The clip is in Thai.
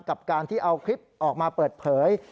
กับการที่เอาคลิปออกมาเปิดเผย